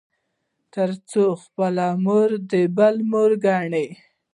تـر څـو خـپله مـور د بل مور وګـني.